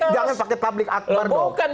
jangan pakai publik akbar dong